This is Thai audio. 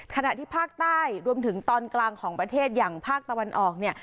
ขณะที่ภาคใต้รวมถึงตอนกลางของประเทศอย่างภาคตะวันออกเนี่ย